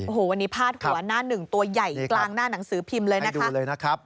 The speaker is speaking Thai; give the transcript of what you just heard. โอ้โหวันนี้พาดหัวหน้าหนึ่งตัวใหญ่กลางหน้าหนังสือพิมพ์เลยนะคะ